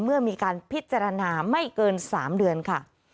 เมื่อมีการพิจารณาไม่เกิน๓เดือนค่ะ